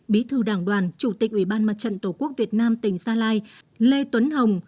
bí thư đảng đoàn chủ tịch ủy ban mặt trận tổ quốc việt nam tỉnh gia lai lê tuấn hồng